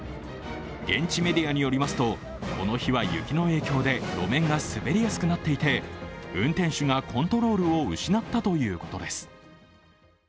現地メディアによりますと、この日は雪の影響で路面が滑りやすくなっていて運転手がコントロールを失ったということです。